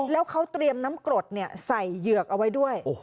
แล้วเขาเตรียมน้ำกรดใส่เหยือกเอาไว้ด้วย